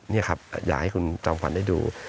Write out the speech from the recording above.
นี่ครับอยากให้คุณจอมขวัญได้ดู